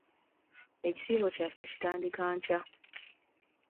Ekisiibo kyaffe kitandika nkya.